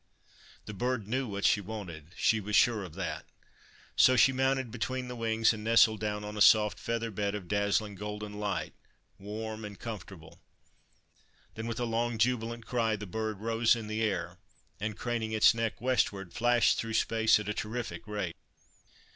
The Bird knew what she wanted ; she was sure of that. So she mounted between the wings, and nestled down on a soft feather bed of dazzling golden light, warm and comfortable. Then, with a long, jubilant cry the Bird rose in the air, and, craning its neck westward, flashed through space at a terrific rate.